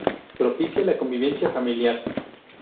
Propicia la convivencia familiar.